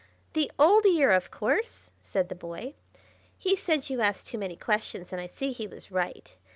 "The Old Year, of course!" said the boy. "He said you asked too many questions and I see he was right.